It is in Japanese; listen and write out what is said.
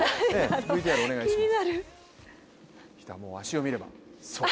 ＶＴＲお願いします。